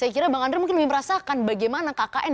saya kira bang andre mungkin lebih merasakan bagaimana kkn